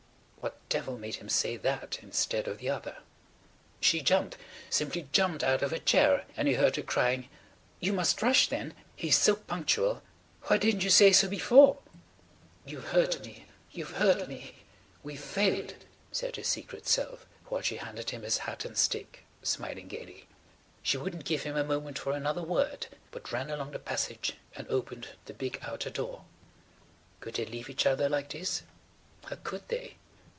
What devil made him say that instead of the other? She jumped–simply jumped out of her chair, and he heard her crying: "You must rush, then. He's so punctual. Why didn't you say so before?" "You've hurt me; you've hurt me! We've failed!" said her secret self while she handed him his hat and stick, smiling gaily. She wouldn't give him a moment for another word, but ran along the passage and opened the big outer door. Could they leave each other like this? How could they?